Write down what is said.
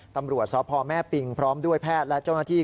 ตำรวจสพแม่ปิงพร้อมด้วยแพทย์และเจ้าหน้าที่